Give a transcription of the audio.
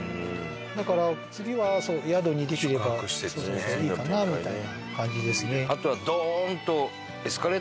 だから次は宿にできればいいかなみたいな感じですね。